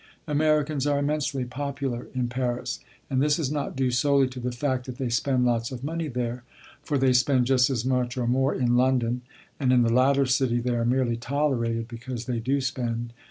Americans are immensely popular in Paris; and this is not due solely to the fact that they spend lots of money there, for they spend just as much or more in London, and in the latter city they are merely tolerated because they do spend.